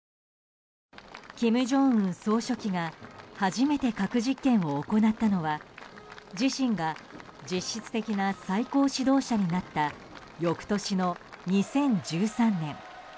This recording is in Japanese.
金正恩総書記が初めて核実験を行ったのは自身が実質的な最高指導者になった翌年の２０１３年。